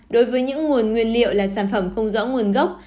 đối với những nguồn nguyên liệu là sản phẩm không rõ nguồn gốc